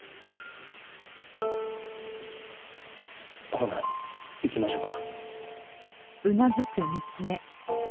ほな行きましょか。